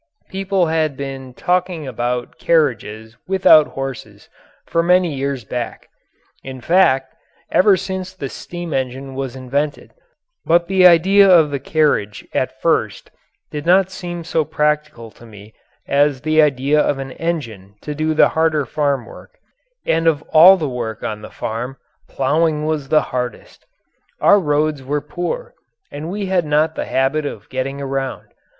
People had been talking about carriages without horses for many years back in fact, ever since the steam engine was invented but the idea of the carriage at first did not seem so practical to me as the idea of an engine to do the harder farm work, and of all the work on the farm ploughing was the hardest. Our roads were poor and we had not the habit of getting around.